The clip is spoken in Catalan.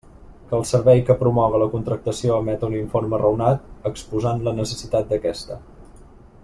Que el servei que promoga la contractació emeta un informe raonat exposant la necessitat d'aquesta.